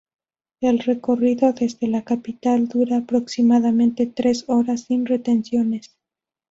El recorrido desde la capital dura aproximadamente tres horas sin retenciones.